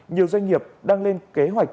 nhiều doanh nghiệp đang lên kế hoạch